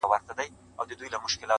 هغه ستا د ابا مېنه تالا سوې؛